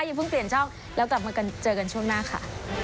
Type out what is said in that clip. อเพิ่งเปลี่ยนช่องแล้วกลับมากันเจอกันช่วงหน้าค่ะ